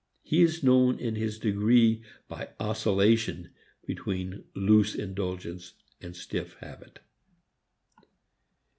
He is known in his degree by oscillation between loose indulgence and stiff habit.